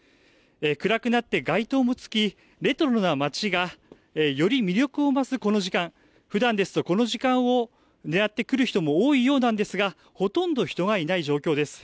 暗くなって街灯もつき、レトロな街がより魅力を増すこの時間、ふだんですと、この時間を狙って来る人も多いようなんですが、ほとんど人がいない状況です。